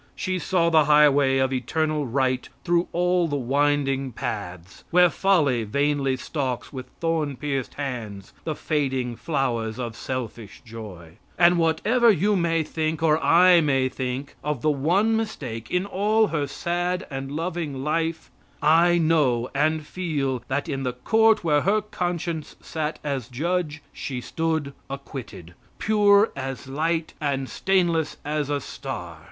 She saw the highway of eternal right through all the winding paths, where folly vainly stalks with thorn pierced hands, the fading flowers of selfish joy; and whatever you may think or I may think of the one mistake in all her sad and loving life, I know and feel that in the court where her conscience sat as judge she stood acquitted, pure as light and stainless as a star.